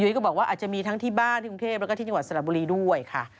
ก็บอกว่าอาจจะมีทั้งที่บ้านที่กรุงเทพแล้วก็ที่จังหวัดสระบุรีด้วยค่ะ